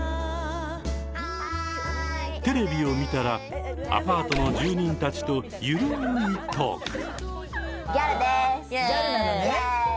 テレビを見たらアパートの住人たちと緩いトーク。